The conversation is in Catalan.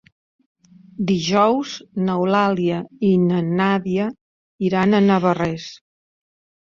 Dijous n'Eulàlia i na Nàdia iran a Navarrés.